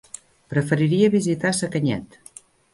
Preferiria visitar Sacanyet.